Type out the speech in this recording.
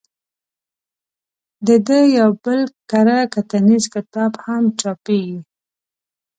د ده یو بل کره کتنیز کتاب هم چاپېږي.